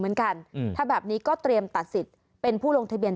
เหมือนกันถ้าแบบนี้ก็เตรียมตัดสิทธิ์เป็นผู้ลงทะเบียน